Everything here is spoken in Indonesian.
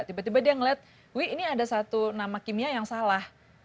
tiba tiba dia ngeliat wih ini ada satu nama kimia yang salah